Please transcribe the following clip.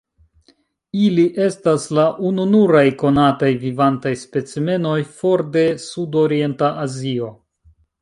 Ili estas la ununuraj konataj vivantaj specimenoj for de Sudorienta Azio.